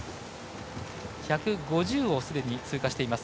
１５０をすでに通過しています。